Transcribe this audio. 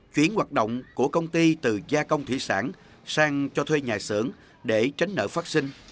chuyển hoạt động của công ty từ gia công thủy sản sang cho thuê nhà xưởng để tránh nợ phát sinh